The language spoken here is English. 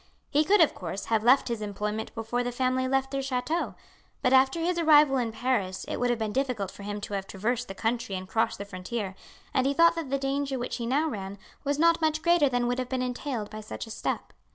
He could, of course, have left his employment before the family left their chateau; but after his arrival in Paris it would have been difficult for him to have traversed the country and crossed the frontier, and he thought that the danger which he now ran was not much greater than would have been entailed by such a step.